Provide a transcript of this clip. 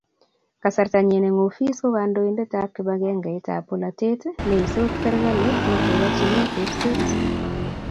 Kasartanyi eng ofis ko kandoindetab kibagengeitab polatet ne eesoi serikali ne keyochini tepseet.